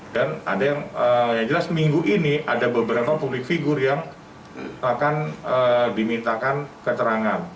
dan ada yang jelas minggu ini ada beberapa publik figur yang akan dimintakan keterangan